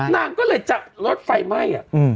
นางก็เลยจับรถไฟไหม้อ่ะ